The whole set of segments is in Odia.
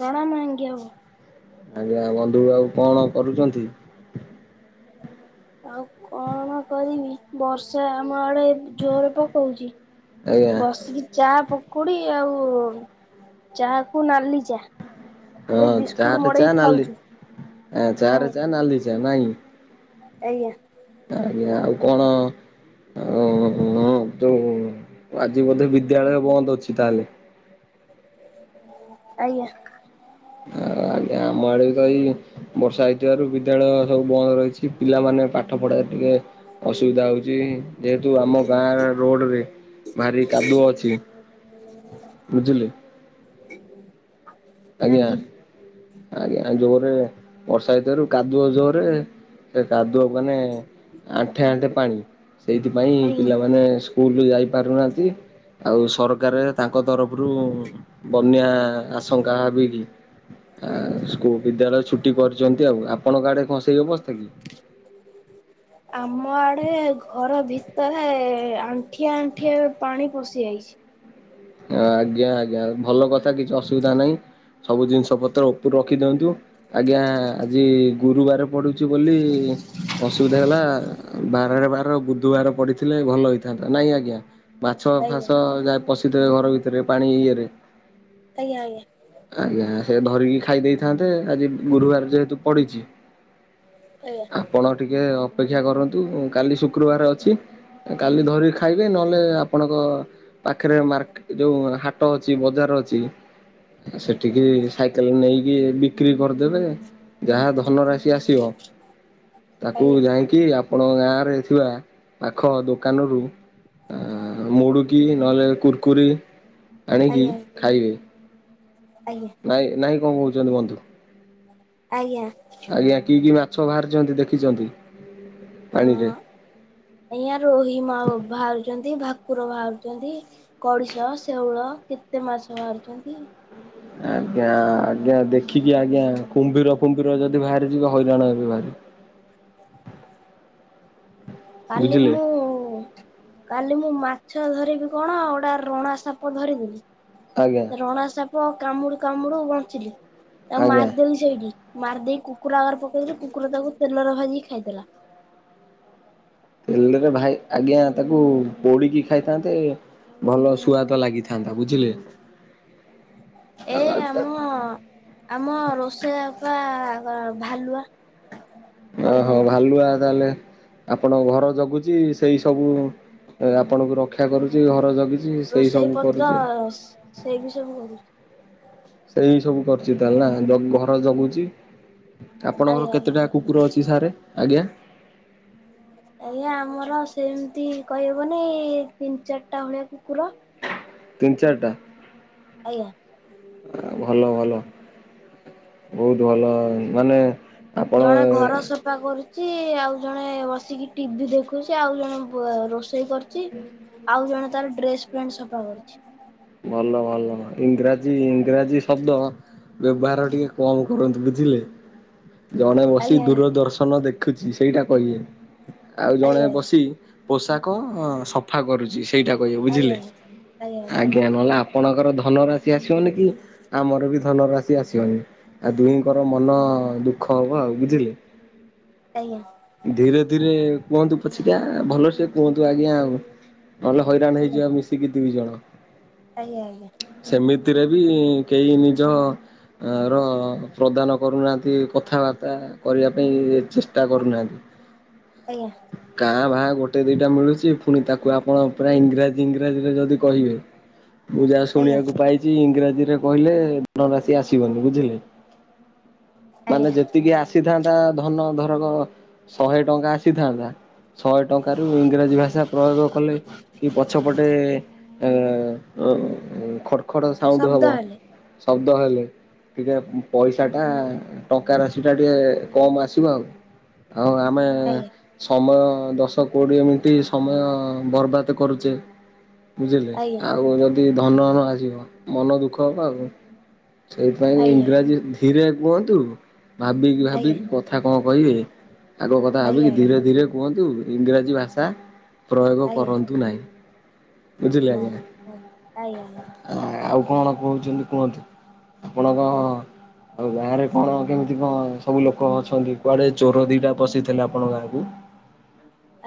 ପ୍ରଣାମ ଆଜ୍ଞା। ଆଜ୍ଞା ବନ୍ଧୁ ଆଉ କଣ କରୁଛନ୍ତି? ଆଉ କଣ କରିବି ବର୍ଷା ଆମ ଆଡେ ଜୋର ପକଉଛି। ଆଜ୍ଞା ବସିକି ଚା ପକୋଡି ଆଉ ଚାହା କୁ ନାଲି ଚା। ଏ ହଁ ଚା ବିସ୍କୁଟ ରେ ମଡେଇ ଚା ନାଲି, ଖାଉଛୁ ଚା ରେ ହୁଁ ଚା ନାଲି ଚା ନାଇଁ? ଆଜ୍ଞା। ଆଜ୍ଞା ଆଉ କଣ? ଓ ହଁ ଯୋଉ ଆଜି ବୋଧେ ବିଦ୍ୟାଳୟ ବନ୍ଦ ଅଛି ତାହେଲେ? ଆଜ୍ଞା। ଆମ ଆଡେ ତ ଏୟୀ ବର୍ଷା ହେଇଥିବାରୁ ବିଦ୍ୟାଳୟ ସବୁ ବନ୍ଦ ରହିଛି। ପିଲାମାନେ ପାଠ ପଢାରେ ଟିକେ ଅସୁବିଧା ହଉଛି। ଯେହେତୁ ଆମ ଗାଁ ରୋଡ ରେ ଭାରି କାଦୁଅ ଅଛି। ବୁଝିଲି। [inaudible] ଆଜ୍ଞା ଆଜ୍ଞା ଜୋରେ ବର୍ଷା ଭିତରୁ କାଦୁଅ ଜୋରେ ସେ କାଦୁଅ ମାନେ ଆଣ୍ଠେ ଆଣ୍ଠେ ପାଣି, ସେଇଥିପାଇଁ ଆଜ୍ଞା ପିଲାମାନେ ସ୍କୁଲୁ ଯାଇ ପାରୁନାହାନ୍ତି ଆଉ ସରକାର ତାଙ୍କ ତରଫରୁ ବନ୍ୟା ଆଶଙ୍କା ହେବେ କିି? ସ୍କୂଲ ବିଦ୍ୟାଳୟ ଛୁଟି କରିୁଛନ୍ତି ଆଉ। ଆପଣଙ୍କ ଆଡେ କଣ ସେଇ ଅବସ୍ଥା କି? ଆମ ଆଡ଼େ ଘର ଭିତରେ ଆଣ୍ଠିଏ ଆଣ୍ଠିଏ ପାଣି ପଶି ଯାଇଛି। ଆଜ୍ଞା ଆଜ୍ଞା ଭଲ କଥା କିଛି ଅସୁବିଧା ନାହିଁ। ସବୁ ଜିନିଷ ପତ୍ର ଉପରୁ ରଖି ଦିଅନ୍ତୁ ଆଜ୍ଞା ଆଜି ଗୁରୁବାର ପଡୁଛି ବୋଲି ଅସୁବିଧା ହେଲା ବାରରେ ବାର ବୁଧବାର ପଢିଥିଲେ ଭଲ ହେଇଥାନ୍ତା ନାଇଁ ଆଜ୍ଞା? ମାଛ ଆଜ୍ଞା ଫାସ ଯାଏ ପଶିଥିବେ ଘର ଭିତରେ ପାଣି ଇଏରେ ଆଜ୍ଞା ଆଜ୍ଞା। ଆଜ୍ଞା ସେ ଧରିକି ଖାଇ ଦେଇଥାନ୍ତେ ଆଜି ଗୁରୁବାର ଯେହେତୁ ପଡିଛି ଆଜ୍ଞା। ଆପଣ ଟିକେ ଅପେକ୍ଷା କରନ୍ତୁ କାଲି ଶୁକ୍ରବାର ଅଛି। କାଲି ଧରିକି ଖାଇବେ ନହେଲେ ଆପଣଙ୍କ ଏଥିରେ ମାର୍କେ ଯୋଉ ହାଟ ଅଛି ବଜାର ଅଛି ସେଠିକି ଶା ସାଇକେଲ୍ ନେଇକି ବିକ୍ରି କରିଦେବେ। ଯାହା ଧନ ରାଶି ଆସିବ ତାକୁ ଆଜ୍ଞା ଯାଇକି କି ଆପଣଙ୍କ ଗାଁରେ ଥିବା ପାଖ ଦୋକାନରୁ ଆ ମୁଡୁକି ନହେଲେ କୁୁରକୁରି ଆଣିକି ଆଜ୍ଞା ଖାଇବେ। ଆଜ୍ଞା। ନାଇଁ, ନାହିଁ କଣ କହୁଛନ୍ତି ବନ୍ଧୁ? ଆଜ୍ଞା। ଆଜ୍ଞା। କି କି ମାଛ ବାହାରିଛନ୍ତି ଦେଖିଛନ୍ତି, ପାଣିରେ? ହଁ ଆଜ୍ଞା, ରୋହି ମା ବାହାରୁଛନ୍ତି, ଭାକୁର ବାହାରୁଛନ୍ତି ଗଡିଶ, ଶେଉଳ କେତେ ମାଛ ବାହାରୁଛନ୍ତି ଆଜ୍ଞା, ଆଜ୍ଞା। ଦେଖିକି ଆଜ୍ଞା କୁମ୍ଭୀର କୁମ୍ଭୀର ଯଦି ବାହାରିଯିବେ, ହଇରାଣ ହେବେ ଭାରି। କାଲି ବୁଝିଲେ ମୁଁ କାଲି ମୁଁ ମାଛ ଧରିବି କଣ, ଗୋଟା ରଣା ସାପ ଧରିଦେଲି ଆଜ୍ଞା। ରଣା ସାପ କାମୁଡୁ କାମୁଡୁ ବଞ୍ଚିଲି, ଆଉ ଆଜ୍ଞା। ମାରିଦେଇ ଦେଇକି ମାରିଦେଇ କୁକୁର ଆଗରେ ପକେଇଦେଲି, କୁକୁର ତାକୁ ତେଲରେ ଭାଜିକି ଖାଇଦେଲା। ତେଲରେ ଭାଇ ଆଜ୍ଞା, ତାକୁ ପୋଡିକି ଖାଇଥାନ୍ତେ ଭଲ ସୁୁଆଦ ଲାଗିଥାନ୍ତା, ବୁଝିଲେ? ଏଇ ଆମ, ଆମ ରୋଷେଇଆପା ଭା-ଭାଲୁଆ। ଓହୋ, ଭାଲୁଆ ତାହେଲେ ଆପଣଙ୍କ ଘର ଜଗୁଚି, ସେଇ ସବୁ ଆପଣଙ୍କୁ ରକ୍ଷା କରୁଛି, ଘର ଜଗି ରୋଷେଇ ପତ୍ର ସେ-ସେଇ ବି ସବୁ କରୁଛି। ସେଇ ସବୁ କରୁଛି ତାହେଲେ ନା? ଘର ଜଗୁଛି, ଆପଣଙ୍କର ଆଜ୍ଞା ଆଜ୍ଞା। କେତେଟା କୁକୁର ଅଛି ସାର୍? ଆଜ୍ଞା। ଆଜ୍ଞା, ଆମର ସେମତି କହିହବନି ତିନି ଚାରଟା ଭଳିଆ କୁକୁର। ତିନ ଚାରଟା? ଆଜ୍ଞା। ଆ ଭଲ, ଭଲ। ବହୁତ ଭଲ ମାନେ ଆପଣ ଜଣେ ଘର ସଫ୍ ଫା କରୁଚି, ଆଉ ଜଣେ ବସିକି ଟିଭି ଦେଖୁଛି, ଆଉ ଜଣେ ବ ରୋ ରୋଷେଇ କରୁଚି, ଆଉ ଜଣେ ତାର ଡ୍ରେସ୍ ପେଣ୍ଟ ସଫା କରୁଛି। ଭଲ ଭଲ। ଇଂରାଜୀ, ଇଂରାଜୀ ଶବ୍ଦ ବ୍ୟବହାର ଟିକେ କମ କରନ୍ତୁ, ବୁଝିଲେ? ଜଣେ ବସି ଆଜ୍ଞା ଆଜ୍ଞା ଦୂରଦର୍ଶନ ଦେଖୁଛି ସେଇଟା କହିବେ। ଆଉ ଜଣେ ଆଜ୍ଞା ବସି ପୋଷାକ ଅ ସଫା କରୁଛି। ସେଇଟା କହିବେ ଆଜ୍ଞା, ବୁଝିଲେ। ଆଜ୍ଞା। ଆଜ୍ଞା। ନହେଲେ ଆପଣଙ୍କର ଧନ ରାଶି ଆସିବନି କି, ଆମର ବି ଧନରାଶି ଆସିବନି। ଆଉ ଦୁହିଁଙ୍କର ମନ ଦୁଃଖ ହବ ଆଉ ବୁଝିଲେ? ଆଜ୍ଞା। ଧୀରେ ଧୀରେ କୁହନ୍ତୁ ପଛିକା, ଭଲସେ କୁହନ୍ତୁ ଆଜ୍ଞା ଆଉ। ନହେଲେ ହଇରାଣ ହେଇଯିବା ମିଶିକି ଦୁଇ ଜଣ। ଆଜ୍ଞା ଆଜ୍ଞା। ସେମିତିରେ ବି କେହି ନିଜ ଆ ର ପ୍ରଦାନ କରୁନାହାଁନ୍ତି କଥାବାର୍ତ୍ତା କରିବାପାଇଁ ଏ ଚେଷ୍ଟା କରୁନାହାଁନ୍ତି। ଆଜ୍ଞା। କାଁ ଭାଁ ଗୋଟେ ଦିଟା ମିଳୁଛି, ପୁଣି ତାକୁ ଆପଣ ପୁରା ଇଂରାଜୀ, ଇଂରାଜୀରେ ଯଦି କହିବେ ମୁଁ ଯାହା ଆଜ୍ଞା ଶୁଣିଆକୁ ପାଇଛି, ଇଂରାଜୀରେ କହିଲେ ଧନରାଶି ଆସିବନି ବୁଝିଲେ? ମାନେ ଆଜ୍ଞା। ଯେତିକି ଆସିଥାନ୍ତା ଧନ, ଧରକ ଶହେ ଟଙ୍କା ଆସିଥାନ୍ତା ଶହେ ଟଙ୍କାରୁୁ ଇଂରାଜୀ ଭାଷା ପ୍ରୟୋଗ କଲେ, କି ପଛପଟେ ଏଁ ଉମ୍ ଖଡ୍ ଖଡ୍ ସାଉଣ୍ଡ ଶବ୍ଦ ହବ, ହେଲେ ଶବ୍ଦ ହେଲେ ଟିକେ ପଇସାଟା, ଟଙ୍କା ରାଶିଟା ଟିକେ କମ ଆସିବ ଆଉ। ହଉ ଆମେ ଆଜ୍ଞା ସମୟ ଦଶ କୋଡିଏ ମିଣ୍ଟି ସମୟ ବରବାଦ କରୁଛେ ବୁଝିଲେ? ଆଜ୍ଞା ଆଉ ଯଦି ଧନ ନ ଆସିବ, ମନ ଦୁଃଖ ହବ ଆଉ। ସେଇଥିପାଇଁ ଆଜ୍ଞା ଆଜ୍ଞା ଇଂରାଜୀ ଧୀରେ କୁହନ୍ତୁ ଭାବିକି ଆଜ୍ଞା ଭାବିକି କ କଥା କଣ କହିବେ ଆଗ କଥା ଆଜ୍ଞା ଭାବିକି ଧୀରେ ଧୀରେ କୁହନ୍ତୁ ଇଂରାଜୀ ଭାଷା। ପ୍ରୟୋଗ ଆଜ୍ଞା। କରନ୍ତୁ ନାହିଁ। ନାଇଁ ଆ ଆଜ୍ଞା ଆଜ୍ଞା। ଆ ଆଉ କଣ କହୁଛନ୍ତି କୁହନ୍ତୁ ଆପଣ କ? ଆଉ ଗାଁ ରେ କଣ କେମିତି କଣ ସବୁ ଲୋକ ଅଛନ୍ତି କୁଆଡେ ଚୋର ଦିଟା ପଶିଥିଲେ ଆପଣଙ୍କ ଗାଁକୁ?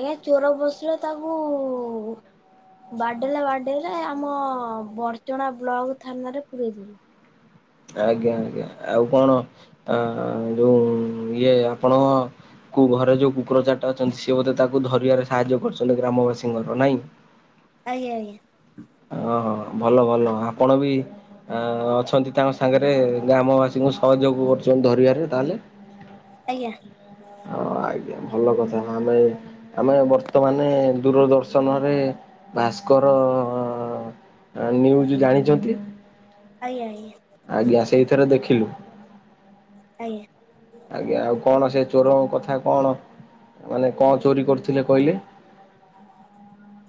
ଆଜ୍ଞା ଚୋର ପଶିଲେ ତାକୁ। ବାଡେଇଲେ ବାଡେଇଲେ ଆମ ବରଚଣା ବ୍ଲକ ଥାନାରେ ପୁରେଇଦେଲୁ। ଆଜ୍ଞା ଆଜ୍ଞା ଆଉ କଣ ଆ ଯୋଉ ଇଏ ଆପଣ। କୁ ଘରେ ଯୋଉ କୁକୁର ଚାରଟା ଅଛନ୍ତି ସିଏ ବୋଧେ ତାକୁ ଧରିବାରେ ସାହାଯ୍ୟ କରିଛନ୍ତି ଗ୍ରାମବାସୀଙ୍କର ନାଇଁ। ଆଜ୍ଞା ଆଜ୍ଞା। ଓହୋ ଭଲ ଭଲ ଆପଣ ବି। ଆ ଅଛନ୍ତି ତାଙ୍କ ସାଙ୍ଗରେ ଗ୍ରାମବାସୀଙ୍କୁ ସହଯୋଗ କରୁଛନ୍ତି ଧରିବାରେ ତାହେଲେ। ଆଜ୍ଞା। ହଁ ଆଜ୍ଞା ଭଲ କଥା ଆମେ ଆମେ ବର୍ତ୍ତମାନେ ଦୂରଦର୍ଶନ ରେ। ଭାସ୍କର ଅ ନ୍ୟୁଜ ଜାଣିଛନ୍ତି? ଆଜ୍ଞା ଆଜ୍ଞା। ଆଜ୍ଞା ସେଇଥିରେ ଦେଖିଲୁ। ଆଜ୍ଞା। ଆଜ୍ଞା ଆଉ କଣ ସେ ଚୋର କଥା କଣ ମାନେ କଣ ଚୋରି କରୁଥିଲେ କହିଲେ? ଆ।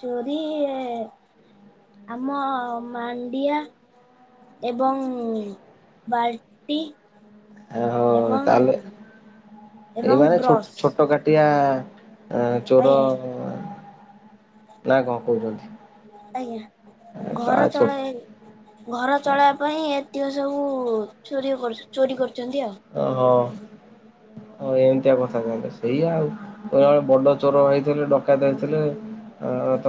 ଚୋରି ଆମ ମାଣ୍ଡିଆ। ଏବଂ ବାଲଟି। ଓହୋ ତାହେଲେ ଏଇ ଏବଂ ମାନେ ବ୍ରସ୍ ଛୋ-ଛୋଟ କା ଟିଆ ଏ ଚୋର। ଆଜ୍ଞା ନା କଣ ଆଜ୍ଞା। କହୁଛନ୍ତି ଏ ତା ଘର ଛୋ ଚଳାଇ ଘର ଚଳେଇବା ପାଇଁ ଏତିକ ସବୁ ଚୋରି କରୁ ଚୋରି କରୁଛନ୍ତି ଆଉ। ଓହୋ ଓ ଏମିତିଆ କଥା ତାହେଲେ ସେଇଆ ଆଉ। [unintelligible] ବଡ ଚୋର ହେଇଥିଲେ ଡକାୟତ ହେଇଥିଲେ। ଆ ତ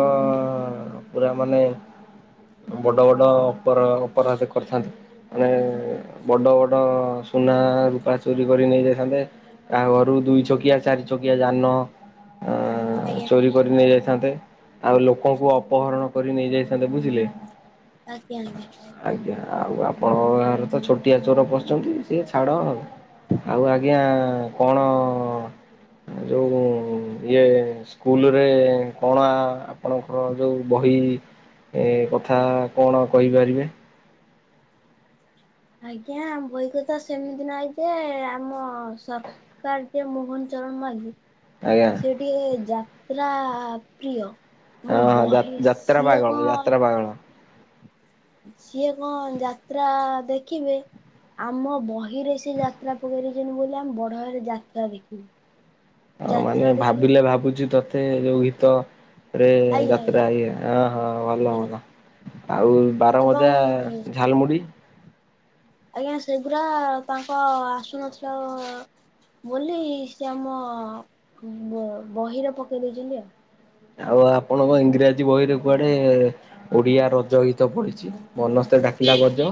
ପୁରା ମାନେ ବଡ ବଡ। ଅପର ଅପରାଧ କରିଥାନ୍ତି ମାନେ ବଡ଼ ବଡ଼ ସୁୁନା, ରୂପା ଚୋରି କରି ନେଇଯାଇଥାନ୍ତେ। କାହା ଘରୁ ଦୁଇ ଚକିଆ, ଚାରି ଚକିଆ ଯାନ ଅ ଆଜ୍ଞା। ଚୋରି କରି ନେଇ ଯାଇଥାନ୍ତେ ଆଉ ଲୋକଙ୍କୁ ଅପହରଣ କରି ନେଇ ଯାଇଥାନ୍ତେ ବୁଝିଲେ। ଆଜ୍ଞା ଆଜ୍ଞା। ଆଜ୍ଞା ଆଉ ଆପଣଙ୍କ ଗାଁରେ ତ ଛୋଟିଆ ଚୋର ପଶୁଛନ୍ତି। ସିଏ ଛାଡ଼ ଆଉ ଆଉ ଆଜ୍ଞା କଣ? ଯୋଉ ଇଏ ସ୍କୁଲରେ କଣ ଆପଣଙ୍କର ଯଉ ବହି। ଏ କଥା କଣ କହିପାରିବେ? ଆଜ୍ଞା ବହି କଥା ସେମିତି ନାହିଁ ଯେ ଆମ ସ କାର ଯେ ମୋହନ ଚରଣ ମାଝି। ଆଜ୍ଞା। ସିଏ ଯାତ୍ରା ପ୍ରିୟ ମୋ ହଁ ଯା ବହି ଯାତ୍ରା ସିଏ ପାଗଳ କ। ଯାତ୍ରା ପାଗଳ। ସିଏ କଣ ଯାତ୍ରା ଦେଖିବେ। ଆମ ବହିରେ ସେ ଯାତ୍ରା ପକେଇ ଦେଇଛନ୍ତି ବୋଲି ଆମେ ବଡ ହେଲେ ଯାତ୍ରା ଦେଖିବୁ। ହଁ ମାନେ ଯାତ୍ରା ଦେଖିବେ ଭାବିଲେ ଭାବୁଛି ତୋତେ ଯୋଉ ଗୀତ। ରେ ଆଜ୍ଞା ଯାତ୍ରା ଆଜ୍ଞା ଇଏ ଏଁ ହଁ ଭଲ ଆଜ୍ଞା ଭଲ ଆଉ। ବାରମଜା ଏବଂ ଝାଲମୁଡ଼ି। ଆଜ୍ଞା ସେଗୁଡା ତାଙ୍କ ଆସୁନଥିଲ ବୋଲି ସେ ଆମ ବହିରେ ପକେଇ ଦେଇଛନ୍ତି ଆଉ ଆଉ ଆପଣଙ୍କ ଇଂରାଜୀ ବହିରେ କୁଆଡେ ଓଡିଆ ରଜ ଗୀତ ପଢିଛି। ବନସ୍ତେ ଡାକିଲା ଗଜ।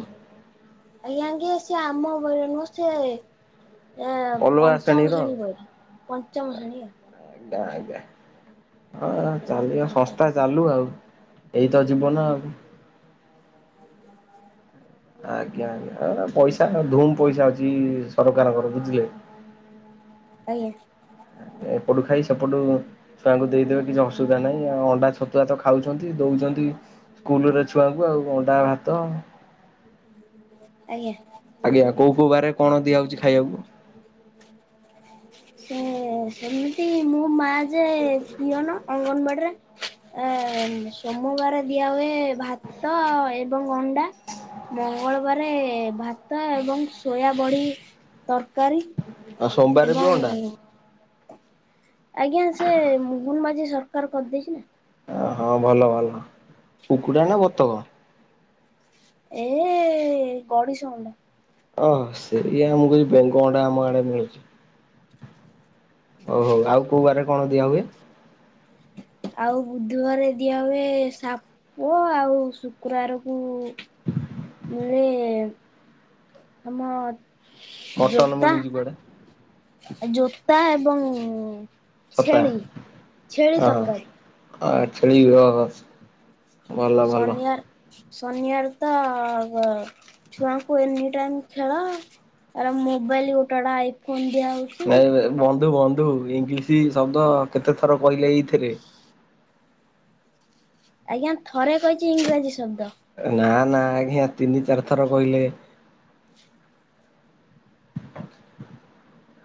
ଆଜ୍ଞା କି ସେ‌ ଆମ ବହିରେ ନୁହେଁ ସେ ଏ ଅଲଗା ପଞ୍ଚମ ଶ୍ରେଣୀର ଆଉ। ଶ୍ରେଣୀ ବହିରେ ପଞ୍ଚମ ଶ୍ରେଣୀ ଆଉ ଆଜ୍ଞା ଆଜ୍ଞା। ହଁ ଚାଲିବା ସଂସ୍ଥା ଚାଲୁ ଆଉ ଏଇତ ଜୀବନ ଆଉ ଆଜ୍ଞା ଆଜ୍ଞା ପଇସା ଧୁମ ପଇସା ଅଛି ସରକାରଙ୍କର ବୁଝିଲେ? ଆଜ୍ଞା। ଏପଟୁ ଖାଇ ସେପୁଟୁ ଛୁଆଙ୍କୁ ଦେଇଦେବେ କିଛି ଅସୁବିଧା ନାହିଁ ଆଉ ଅଣ୍ଡା ଛତୁଆ ତ ଖାଉଛନ୍ତି ଦଉଛନ୍ତି। ସ୍କୁଲରେ ଛୁଆଙ୍କୁ ଆଉ ଅଣ୍ଡା ଭାତ। ଆଜ୍ଞା। ଆଜ୍ଞା କୋଉ ବାରେ କଣ ଦିଆ ହଉଛି ଖାଇବାକୁ? ସେ ସେମିତି ମୋ ମା ଯେ ପିଅନ। ଅଙ୍ଗନବାଡ଼ିରେ ସୋମବାର ଦିଆ ହୁଏ ଭାତ ଏବଂ ଅଣ୍ଡା ମଙ୍ଗଳ ବାରେ ଭାତ ଏବଂ ସୋୟା ବଡି ତରକାରୀ। ଆଉ ସୋମବାରରେ ବି ଏବଂ ଅଣ୍ଡା। ଆଜ୍ଞା ସେ ମୋହନ ମାଝି ସରକାର କରିଦେଇଛି ନା। ଓ ହଁ ଭଲ ଭଲ କୁକୁଡ଼ା ନା ବତକ? ଏ ଗଢିଶଅଣ୍ଡା। ଓହ ସେଇଆ ମୁ କହୁଛି ବେଙ୍ଗ ଅଣ୍ଡା ଆମ ଆଡେ ମିଳୁଛି। ହଉ ହଉ ଆଉ କୋଉ ବାରେ କଣ ଦିଆ ହୁଏ? ଆଉ ବୁଧବାରେ ଦିଆ ହୁଏ ସାପ ଆଉ ଶୁକ୍ରବାରକୁ [unintelligible] [inaudible] ମିଳେ ଆମ ମଟନ ଜୋତା। ମିଳୁଛି କୁଆଡେ ଜୋତା ଏବଂ ଛତା ଛେଳି ଛେଳି ହ ତରକାରୀ ଆ ଛେଳି ଭଲ ଭଲ ସନିଆର ଶନିବାର ତ ଛୁଆଙ୍କୁ ଏନି ଟାଇମ ଖେଳ। ତାର ମୋବାଇଲ ଗୋଟେ ଗୋଟେ ଆଇଫୋନ ଦିଆ ହଉଛି। ନ ବନ୍ଧୁ ବନ୍ଧୁ ଇଂଲିଶ ଶବ୍ଦ କେତେ ଥର କହିଲେ ଏଇଥିରେ? ଆଜ୍ଞା ଥରେ କହିଛି ଇଂରାଜୀ ଶବ୍ଦ। ନା ନା ଆଜ୍ଞା ତିନି ଚାରି ଥର କହିଲେ।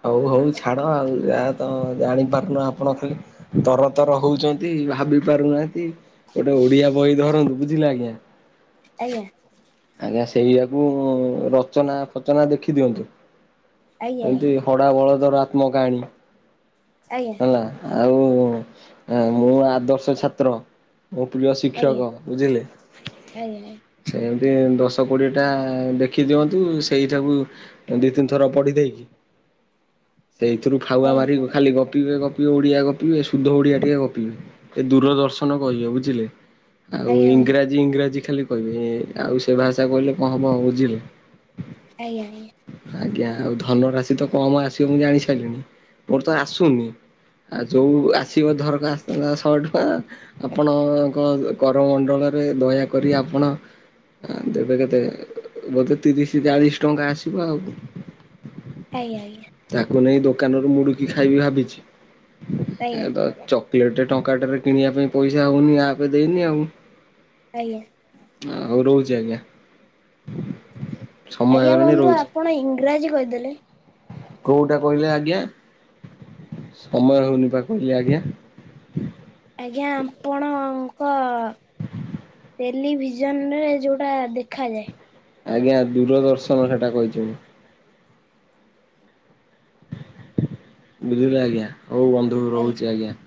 ହଉ ହଉ ଛାଡ଼ ଆଉ ଯାହା ତ ଜାଣିପାରୁନ ଆପଣ ଖାଲି। ତର ତର ହଉଛନ୍ତି ଭାବି ପାରୁନାହାନ୍ତି ଗୋଟେ ଓଡିଆ ବହି ଧରନ୍ତୁ ବୁଝିଲେ ଆଜ୍ଞା। ଆଜ୍ଞା। ଆଜ୍ଞା ସେଇଆକୁ ରଚନା ଫଚନା ଦେଖି ଦିଅନ୍ତୁ ଆଜ୍ଞା ଏମତି ଖଡ଼ା ବଳଦର ଆତ୍ମକାହାଣୀ ଆଜ୍ଞା ହେଲା। ଆଉ ମୁଁ ଆଦର୍ଶ ଛାତ୍ର। ମୋ ପ୍ରିୟ ଆଜ୍ଞା ଶିକ୍ଷକ ବୁଝିଲେ ଆଜ୍ଞା ଆଜ୍ଞା ସେମିତି ଦଶ ଦଶ କୋଡ଼ିଏଟା ଦେଖିଦିଅନ୍ତୁ ସେଇ ଦି ତିନି ଥର ପଡି ଦେଇକି ସେଇଥିରୁ ଫାଉଆ ଆଜ୍ଞା ମାରି ଖାଲି ଗପିବେ ଗପିବେ ଓଡ଼ିଆ ଗପିବେ ସୁଧ ଓଡିଆ ଟିକେ ଗପିବେ। ଏ ଦୂରଦର୍ଶନ କହିବେ ବୁଝିଲେ? ଆଉ ଆଜ୍ଞା ଆଜ୍ଞା ଇଂରାଜୀ ଇଂରାଜୀ ଖାଲି କହିବେ ଆଉ ସେ ଭାଷା କହିଲେ କଣ ହବ ବୁଝିଲେ? ଆଜ୍ଞା ଆଜ୍ଞା। ଆଜ୍ଞା ଆଉ ଧନ ରାଶି ତ କମ ଆସିବ ମୁଁ ଜାଣି ସାରିଲିଣି ମୋର ତ ଆସୁନି। ଆ ଯୋଉ ଆସିବ ଧରକା ଆସିଥାନ୍ତା ଶହେ ଟଙ୍କା। ଆପଣଙ୍କ କଣ କରମଣ୍ଡଳରେ ଦୟାକରି ଆପଣ ଦେବେ କେତେ ବୋଧେ ତିରିଶ ଚାଳିଶ ଟଙ୍କା ଆସିବ ଆଉ। ଆଜ୍ଞା ଆଜ୍ଞା। ତାକୁ ନେଇ ଦୋକାନରୁ ମୁଡୁକି ଖାଇବି ଭାବିଛି ଏ ଆଜ୍ଞା ତ ଚକଲେଟ ଟଙ୍କା ଟେରେ କିଣିବା ପାଇଁ ପଇସା ହଉନି ଆପ ଦେଇନି ଆଉ। ଆଜ୍ଞା। ହଉ ରହୁଛି ଆଜ୍ଞା। ସମୟ ଆଜ୍ଞା ହେଇଗଲାଣି ବନ୍ଧୁ ରହୁଛି। ଆପଣ ଇଂରାଜୀ କହିଦେଲେ। କୋଉଟା କହିଲେ ଆଜ୍ଞା ସମୟ ହଉନି ପା କହିଲି ଆଜ୍ଞା। ଆଜ୍ଞା ଆପଣଙ୍କ ଟେଲିଭିଜନରେ ଯେଉଁଟା ଦେଖାଯାଏ। ଆଜ୍ଞା ଦୂରଦର୍ଶନ ସେଟା କହିଛି ମୁଁ। ବୁଝିଲେ ଆଜ୍ଞା ହଉ ବନ୍ଧୁ ରହୁଛି ଆଜ୍ଞା।